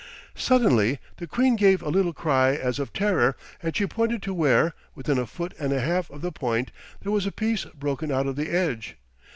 Suddenly the queen gave a little cry as of terror, and she pointed to where, within a foot and a half of the point, there was a piece broken out of the edge.